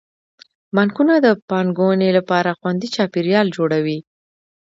بانکونه د پانګونې لپاره خوندي چاپیریال جوړوي.